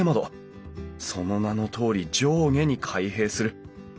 その名のとおり上下に開閉する。